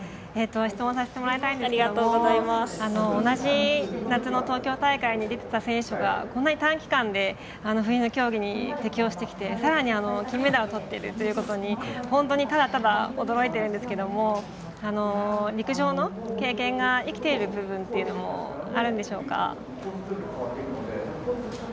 質問させてもらいたいんですけど同じ夏の東京大会に出ていた選手がこんなに短期間で冬の競技に適応してきて、さらに金メダルとっているということに本当に、ただただ驚いているんですけれども陸上の経験が生きている部分というのもあるんでしょうか。